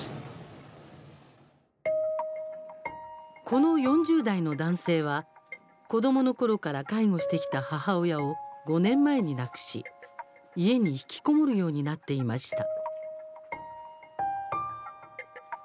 この４０代の男性は子どものころから介護してきた母親を５年前に亡くし家に引きこもるようになっていました。